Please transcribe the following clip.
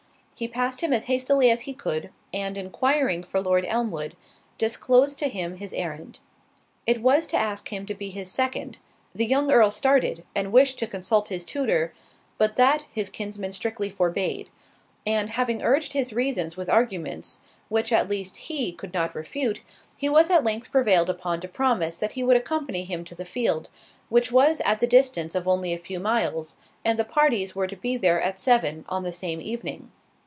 He passed him as hastily as he could, and enquiring for Lord Elmwood, disclosed to him his errand. It was to ask him to be his second;—the young Earl started, and wished to consult his tutor, but that, his kinsman strictly forbade; and having urged his reasons with arguments, which at least he could not refute, he was at length prevailed upon to promise that he would accompany him to the field, which was at the distance only of a few miles, and the parties were to be there at seven on the same evening.